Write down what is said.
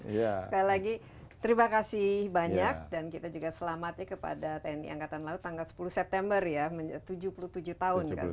sekali lagi terima kasih banyak dan kita juga selamat ya kepada tni angkatan laut tanggal sepuluh september ya tujuh puluh tujuh tahun kan